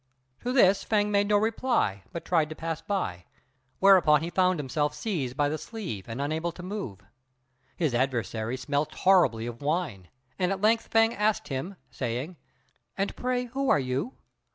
To this Fêng made no reply, but tried to pass by; whereupon he found himself seized by the sleeve and unable to move. His adversary smelt horribly of wine, and at length Fêng asked him, saying, "And pray who are you?"